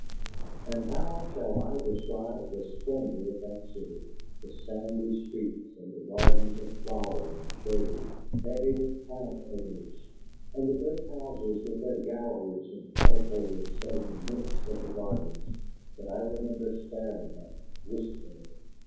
And how shall I describe the splendor of that city? The sandy streets, and the gardens of flower and shade, heavy with the plant odors; and the great houses with their galleries and porticos set in the midst of the gardens, that I remember staring at wistfully.